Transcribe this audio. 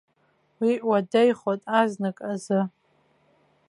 Уи уадаҩхоит азнык азы.